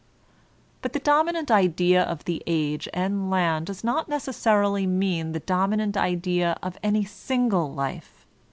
But the dominant idea of the age and land does not necessarily mean the dominant idea of any single life.